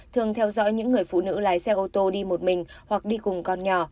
thường theo dõi những người phụ nữ lái xe ô tô đi một mình hoặc đi cùng con nhỏ